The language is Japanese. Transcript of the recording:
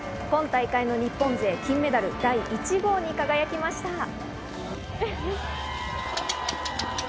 今大会の日本勢金メダル第１号に輝きました。